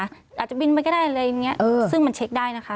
อาจจะบินไปก็ได้อะไรอย่างนี้ซึ่งมันเช็คได้นะคะ